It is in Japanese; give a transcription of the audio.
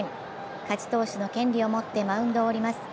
勝ち投手の権利を持ってマウンドを降ります。